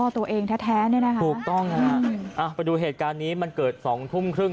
ตัวเองแท้เนี่ยนะคะถูกต้องฮะไปดูเหตุการณ์นี้มันเกิดสองทุ่มครึ่ง